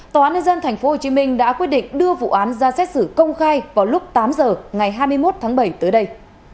tòa án nhân dân tp hcm đã quyết định đưa vụ án ra xét xử công khai vào lúc tám giờ ngày hai mươi một tháng bảy tới đây